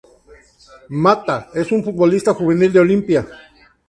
Matta, es un futbolista juvenil de Olimpia.